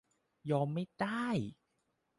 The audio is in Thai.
ยอมไม่ได้ !